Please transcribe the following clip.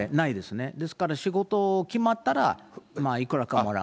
ですから、仕事決まったら、いくらかはもらう。